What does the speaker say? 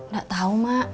gak tau mak